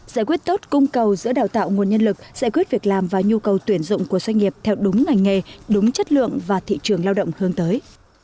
giải quyết tốt cung cầu giữa đào tạo nguồn nhân lực giải quyết việc làm và nhu cầu tuyển dụng của doanh nghiệp theo đúng ngành nghề đúng chất lượng và thị trường lao động hướng tới